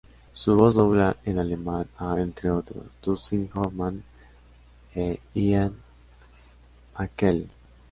Su voz dobla en alemán a, entre otros, Dustin Hoffman e Ian McKellen.